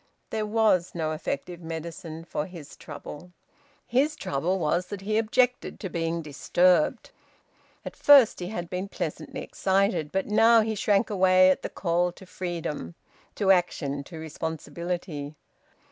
There was no effective medicine for his trouble. His trouble was that he objected to being disturbed. At first he had been pleasantly excited, but now he shrank away at the call to freedom, to action, to responsibility.